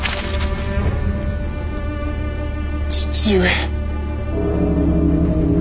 父上！